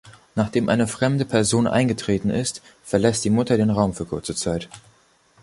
Nachdem eine fremde Person eingetreten ist, verlässt die Mutter den Raum für kurze Zeit.